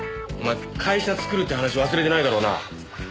お前会社作るって話忘れてないだろうな？